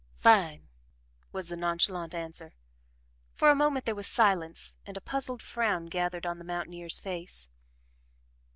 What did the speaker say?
"Fine!" was the nonchalant answer. For a moment there was silence and a puzzled frown gathered on the mountaineer's face.